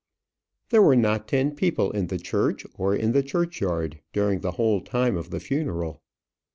There were not ten people in the church or in the churchyard during the whole time of the funeral.